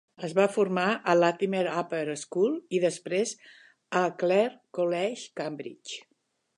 Es va formar a Latymer Upper School i després a Clare College, Cambridge.